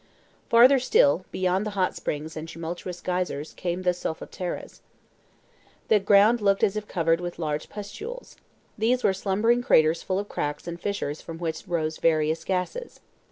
Farther still, beyond the hot springs and tumultuous geysers, came the solfataras. The ground looked as if covered with large pustules. These were slumbering craters full of cracks and fissures from which rose various gases.